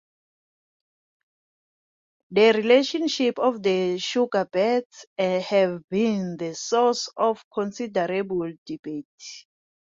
The relationships of the sugarbirds have been the source of considerable debate.